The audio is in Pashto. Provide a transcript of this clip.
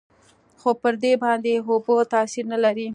خو پر دې باندې اوبه تاثير نه لري.